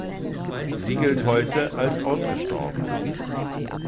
Sie gilt heute als ausgestorben.